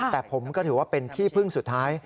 แต่ผมก็ถือว่าเป็นที่พึ่งสุดท้าย